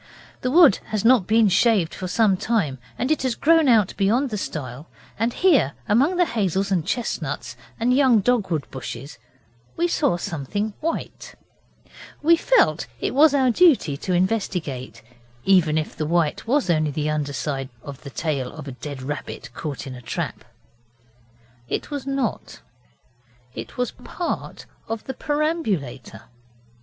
The wood has not been shaved for some time, and it has grown out beyond the stile and here, among the hazels and chestnuts and young dogwood bushes, we saw something white. We felt it was our duty to investigate, even if the white was only the under side of the tail of a dead rabbit caught in a trap. It was not it was part of the perambulator.